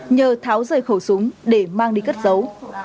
nhờ tháo rơi khẩu súng để mang đi cất dấu